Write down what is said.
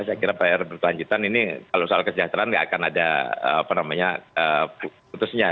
saya kira pr berkelanjutan ini kalau soal kesejahteraan tidak akan ada apa namanya putusnya